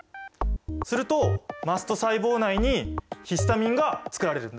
するとマスト細胞内にヒスタミンがつくられるんだ。